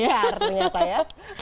wajar ternyata ya